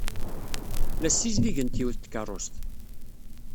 La ssizdigent yiwet n tkeṛṛust.